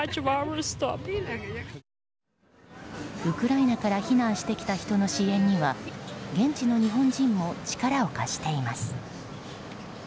ウクライナから避難してきた人の支援には現地の日本人も力を貸しています。